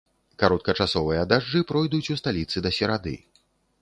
Кароткачасовыя дажджы пройдуць у сталіцы да серады.